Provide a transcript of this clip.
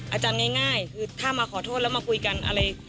อาจารย์ง่ายคือถ้ามาขอโทษแล้วมาคุยกันอะไร